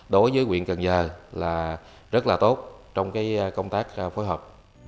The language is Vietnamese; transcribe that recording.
đối với quyện cần giờ rất tốt trong công tác phối hợp